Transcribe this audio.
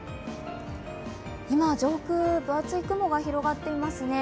今、上空分厚い雲が広がっていますね。